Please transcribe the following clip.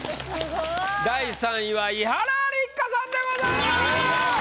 第３位は伊原六花さんでございます！